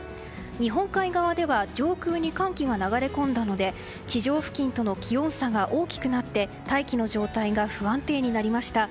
日本海側では上空に寒気が流れ込んだので地上付近との気温差が大きくなって大気の状態が不安定になりました。